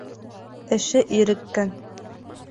Эше иреккән.